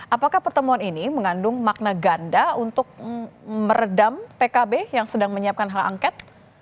apakah pertemuan ini mengandung makna ganda untuk meredam pkb yang sedang menyiapkan hak angket